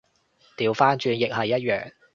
掉返轉亦係一樣